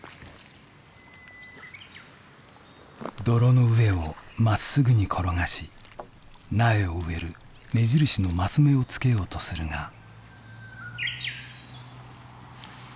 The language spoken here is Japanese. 泥の上をまっすぐに転がし苗を植える目印のマス目をつけようとするが。